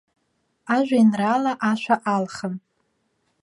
Ажәеинраала ашәа алхын.